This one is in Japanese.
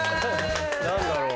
何だろう？